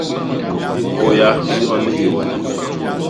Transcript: Hikôya hi nyon ni hiônde.